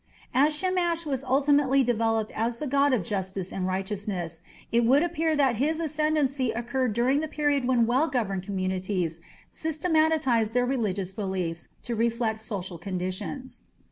As Shamash was ultimately developed as the god of justice and righteousness, it would appear that his ascendancy occurred during the period when well governed communities systematized their religious beliefs to reflect social conditions.